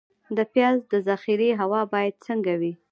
د پیاز د ذخیرې هوا باید څنګه وي؟